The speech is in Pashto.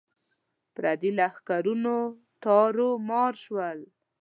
پردي لښکرونه تارو مار شول.